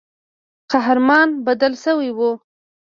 قهرمان بدل سوی وو.